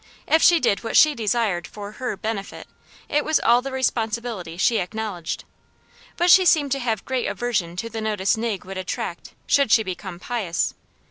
If she did what she desired for HER benefit, it was all the responsibility she acknowledged. But she seemed to have great aversion to the notice Nig would attract should she become pious.